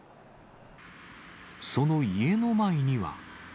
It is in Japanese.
その家の前には。